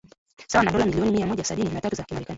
sawa na dola milioni mia mmoja sabini na tatu za kimarekani